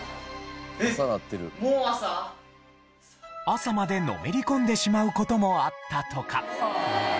朝までのめり込んでしまう事もあったとか。